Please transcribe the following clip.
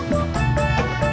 bang kopinya nanti aja ya